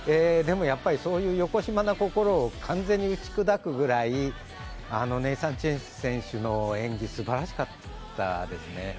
でもやっぱり、そういうよこしまな心を完全に出すくらいネイサン・チェン選手の演技すばらしかったですね。